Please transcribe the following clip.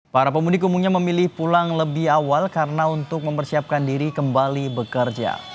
para pemudik umumnya memilih pulang lebih awal karena untuk mempersiapkan diri kembali bekerja